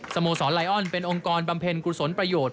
โมสรไลออนเป็นองค์กรบำเพ็ญกุศลประโยชน์